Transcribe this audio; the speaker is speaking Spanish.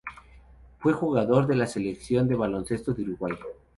Fue jugador de la Selección de baloncesto de Uruguay.